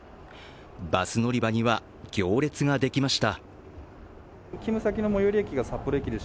バス乗り場には行列ができました。